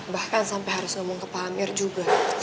bahkan sampai harus ngomong ke pamir juga